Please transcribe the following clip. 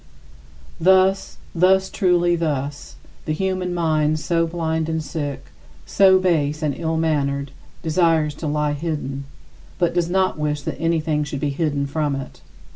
Thus, thus, truly thus: the human mind so blind and sick, so base and ill mannered, desires to lie hidden, but does not wish that anything should be hidden from it.